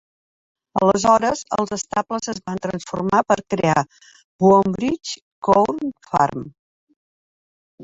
Aleshores els estables es van transformar per crear Wormbridge Court Farm.